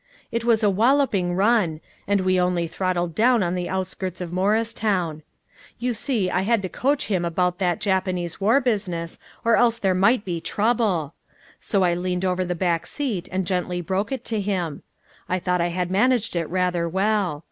It was a walloping run, and we only throttled down on the outskirts of Morristown. You see I had to coach him about that Japanese war business, or else there might be trouble! So I leaned over the back seat and gently broke it to him. I thought I had managed it rather well.